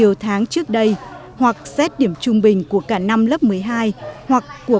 em tham gia xét tuyển sớm hơn thì tỷ lệ cạnh tranh sẽ không cao